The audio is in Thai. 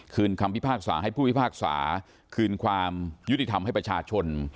คำพิพากษาให้ผู้พิพากษาคืนความยุติธรรมให้ประชาชน